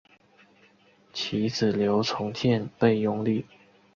其子刘从谏被拥立。